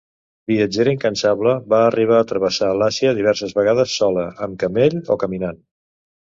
Viatgera incansable, va arribar a travessar l'Àsia diverses vegades sola, amb camell o caminant.